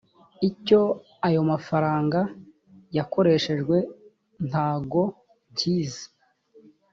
icyo ayo mafaranga yakoreshejwe ntagonkizi.